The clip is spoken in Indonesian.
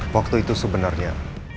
waktu itu sebenarnya